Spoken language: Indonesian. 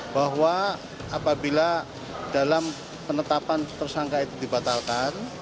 bahwa apabila dalam penetapan tersangka itu dibatalkan